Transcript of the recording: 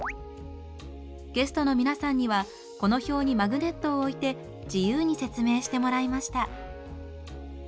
ゲストの皆さんにはこの表にマグネットを置いて自由に説明してもらいました。